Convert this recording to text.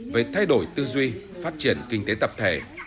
về thay đổi tư duy phát triển kinh tế tập thể